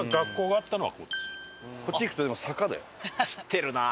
知ってるなあ！